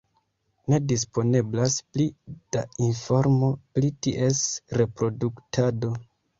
Ne disponeblas pli da informo pri ties reproduktado.